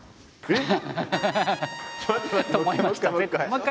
えっ？